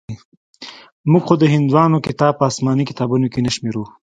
موږ خو د هندوانو کتاب په اسماني کتابونو کښې نه شمېرو.